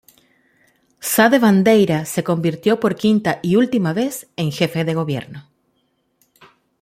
Sá da Bandeira se convirtió por quinta y última vez, en jefe de gobierno.